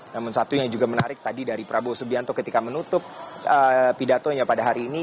namun satu yang juga menarik tadi dari prabowo subianto ketika menutup pidatonya pada hari ini